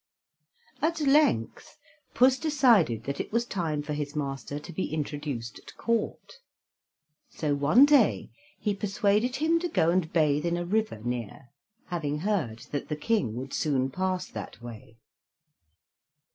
At length Puss decided that it was time for his master to be introduced at Court. So one day he persuaded him to go and bathe in a river near, having heard that the King would soon pass that way.